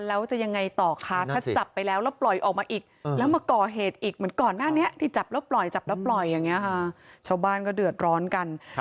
แล้วจะยังไงต่อค่ะถ้าจับไปแล้วแล้วปล่อยออกมาอีก